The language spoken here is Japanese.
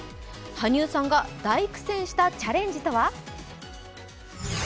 羽生さんが大苦戦したチャレンジとは？